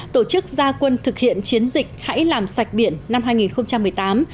tổ chức gia quân thực hiện chiến dịch hãy làm sạch biển năm hai nghìn một mươi tám